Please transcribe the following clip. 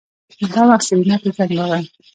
دا وخت سېرېنا ته زنګ راغی.